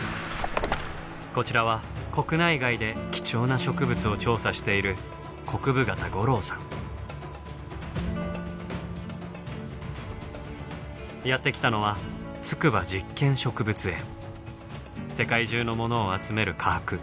こちらは国内外で貴重な植物を調査しているやって来たのは世界中のものを集める科博。